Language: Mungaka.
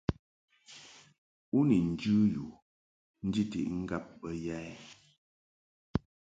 U ni njɨ yu njiʼti ŋgab bə ya ɛ ?